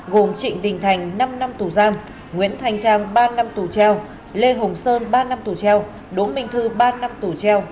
gồm trịnh đình thành năm năm tù giam nguyễn thành trang ba năm tù treo lê hồng sơn ba năm tù treo đỗ minh thư ba năm tù treo